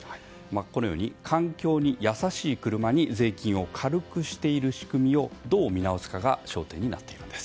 このように環境に優しい車に税金を軽くしている仕組みをどう見直すかが焦点になっています。